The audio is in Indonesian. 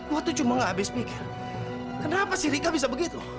gue tuh cuma nggak habis pikir kenapa sih rika bisa begitu